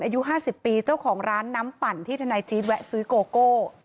อายุ๕๐ปีเจ้าของร้านน้ำปั่นที่ทนายจี๊ดแวะซื้อโกโก้